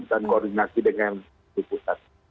dan koordinasi dengan buputas